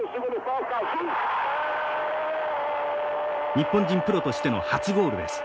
日本人プロとしての初ゴールです。